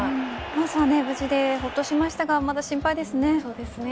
まずは無事でほっとしましたがまだ心配ですね。